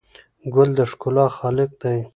ګل د ښکلا خالق دی.